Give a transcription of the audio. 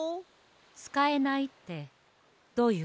つかえないってどういうこと？